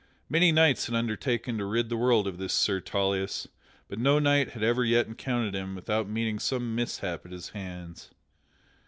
Many knights had undertaken to rid the world of this Sir Tauleas, but no knight had ever yet encountered him without meeting some mishap at his hands.